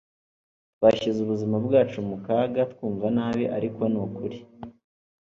twashyize ubuzima bwacu mu kaga, twumva nabi ariko ni ukuri